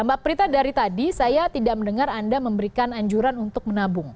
mbak prita dari tadi saya tidak mendengar anda memberikan anjuran untuk menabung